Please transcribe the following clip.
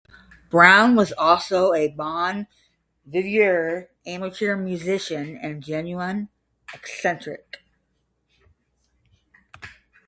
Brown was also a bon viveur, amateur musician and genuine eccentric.